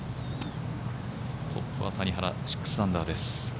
トップは谷原、６アンダーです。